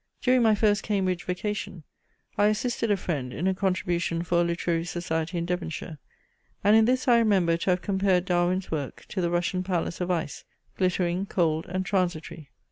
During my first Cambridge vacation, I assisted a friend in a contribution for a literary society in Devonshire: and in this I remember to have compared Darwin's work to the Russian palace of ice, glittering, cold and transitory.